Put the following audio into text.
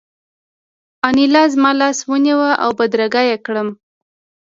انیلا زما لاس ونیو او بدرګه یې کړم